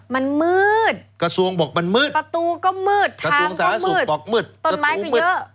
มันมืดกระทรวงบอกมันมืดประตูก็มืดทางก็มืดบอกมืดต้นไม้ก็เยอะ